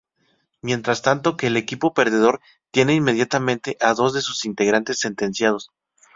Mientras tanto que el equipo perdedor tiene inmediatamente a dos de sus integrantes sentenciados.